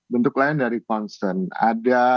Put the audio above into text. bentuk lain dari kepentingan